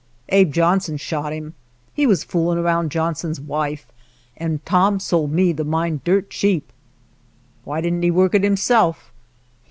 Abe Johnson shot him ; he was fooling around Johnson's wife, an' Tom sold me the mine dirt cheap." " Why did n't he work it himself